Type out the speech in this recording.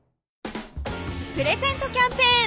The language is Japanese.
プレゼントキャンペーン